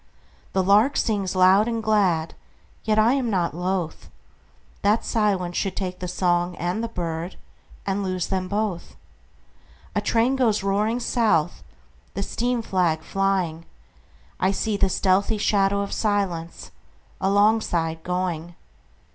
The lark sings loud and glad, Yet I am not lothThat silence should take the song and the birdAnd lose them both.A train goes roaring south, The steam flag flying;I see the stealthy shadow of silenceAlongside going.